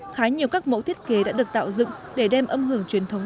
khá nhiều các mẫu thiết kế đã được tạo dựng để đem âm hưởng truyền thống